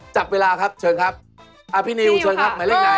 จับเวลาครับเชิญครับอ่าพี่นิวเชิญครับหมายเลขไหน